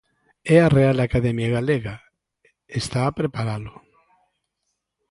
"E a Real Academia Galega está a preparalo".